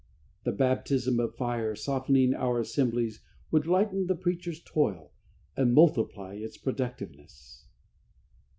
The baptism of fire softening our assemblies would lighten the preacher's toil and multiply its productiveness.